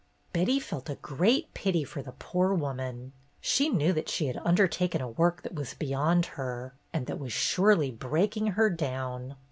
Betty felt a great pity for the poor woman. She knew that she had undertaken a work that was beyond her, and that was surely breaking her down.